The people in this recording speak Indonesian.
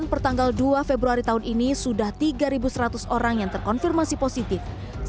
pertanggal dua februari tahun ini sudah tiga seratus orang yang terkonfirmasi positif